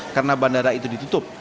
karena bandara itu ditutup